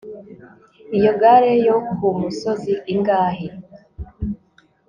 iyo gare yo kumusozi ingahe